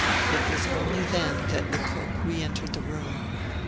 It was only then that Lecoq reentered the room.